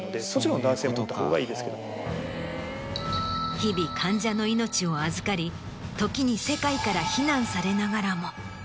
日々患者の命を預かり時に世界から非難されながらも。